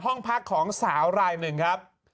ห้องพักของสาวรายหนึ่งครับ